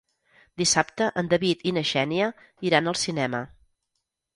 Dissabte en David i na Xènia iran al cinema.